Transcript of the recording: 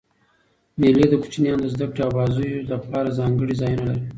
مېلې د کوچنيانو د زدهکړي او بازيو له پاره ځانګړي ځایونه لري.